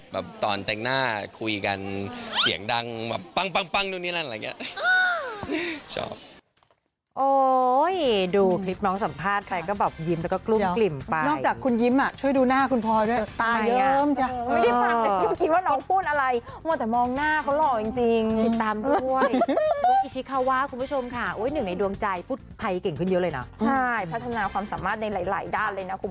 เป็นคนสนุกจริง